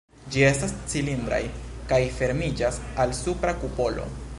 Ĝi estas cilindraj kaj fermiĝas al supra kupolo.